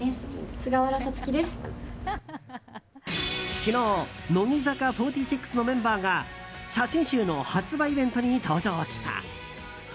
昨日、乃木坂４６のメンバーが写真集の発売イベントに登場した。